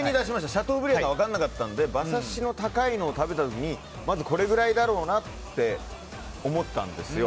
シャトーブリアンが分からなかったので馬刺しの高いのを食べた時にまず、これぐらいだろうなと思ったんですよ。